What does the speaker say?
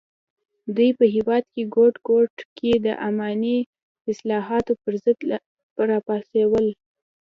دوی په هېواد ګوټ ګوټ کې د اماني اصلاحاتو پر ضد راپاڅول.